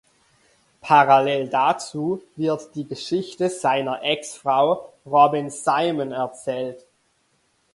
Parallel dazu wird die Geschichte seiner Exfrau Robin Simon erzählt.